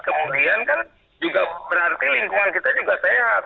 kemudian kan juga berarti lingkungan kita juga sehat